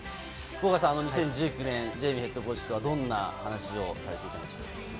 ２０１９年、ジェイミーＨＣとはどんな話をされていたんでしょう？